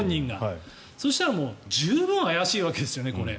そしたら、これ十分怪しいわけですよね。